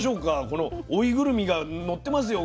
この追いぐるみがのってますよ